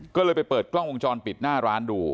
อื้มเนี่ยก็เลยกล้องวงจรปิดหน้าร้านดู